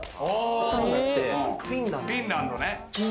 サウナって、フィンランド。